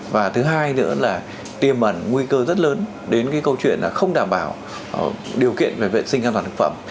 và thứ hai nữa là tiềm ẩn nguy cơ rất lớn đến cái câu chuyện là không đảm bảo điều kiện về vệ sinh an toàn thực phẩm